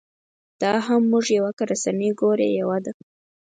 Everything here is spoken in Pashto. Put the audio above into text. دا هم موږ یو که رسنۍ ګورې یوه ده.